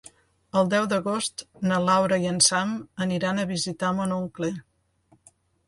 El deu d'agost na Laura i en Sam aniran a visitar mon oncle.